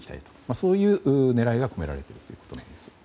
そういう狙いが込められているということだそうです。